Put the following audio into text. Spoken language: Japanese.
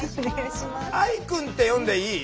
愛くんって呼んでいい？